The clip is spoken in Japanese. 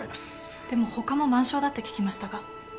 でも他も満床だって聞きましたが。